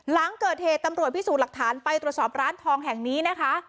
หลังเกิดเหตุตำรวจพิสูจน์หลักฐานไปตรวจสอบร้านทองแห่งนี้นะคะ